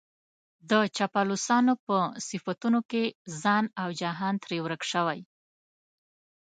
د چاپلوسانو په صفتونو کې ځان او جهان ترې ورک شوی.